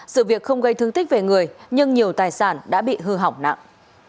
dù việc không gây thương thích về người nhưng nhiều tài sản đã bị hư hỏng nặng